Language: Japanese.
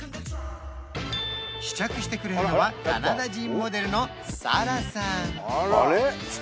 試着してくれるのはカナダ人モデルのサラさん